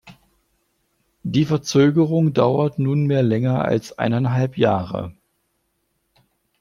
Die Verzögerung dauert nunmehr länger als eineinhalb Jahre.